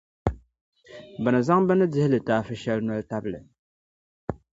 bɛ ni zaŋ bini dihi litaafi shɛli noli tabili.